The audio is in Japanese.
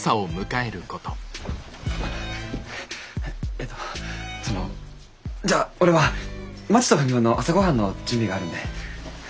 えっとそのじゃ俺はまちとふみおの朝ごはんの準備があるんで。